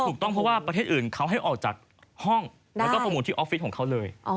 ถูกต้องเพราะว่าประเทศอื่นเขาให้ออกจากห้องแล้วก็ประมูลที่ออฟฟิศของเขาเลย